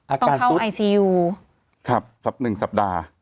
อาการซุดต้องเข้าครับสัปดาห์